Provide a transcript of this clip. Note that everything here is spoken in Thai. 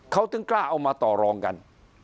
เขาถึงกล้าเอามาต่อรองกัน